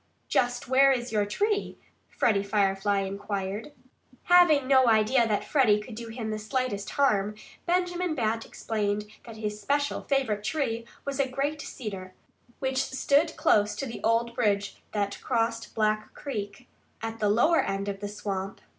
"Just where is your tree?" Freddie Firefly inquired. Having no idea that Freddie could do him the slightest harm, Benjamin Bat explained that his special, favorite tree was a great cedar, which stood close to the old bridge that crossed Black Creek, at the lower end of the swamp.